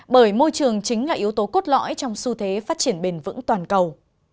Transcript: bởi môi trường chính là yếu tố cốt lõi trong xu thế phát triển bền vững toàn cầu